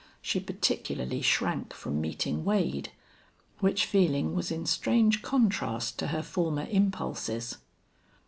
She particularly shrank from meeting Wade, which feeling was in strange contrast to her former impulses.